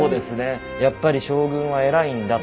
やっぱり将軍は偉いんだと。